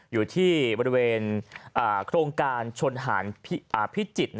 อยู่ที่บริเวณโครงการชนหารพิจิตร